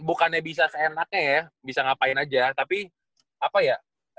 bukannya bisa seenaknya ya bisa ngapain aja tapi apa ya